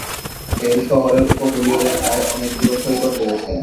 এর শহরের উপকূলীয় রেখায় অনেকগুলো সৈকত রয়েছে।